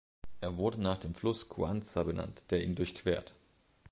Er wurde nach dem Fluss Cuanza benannt, der ihn durchquert.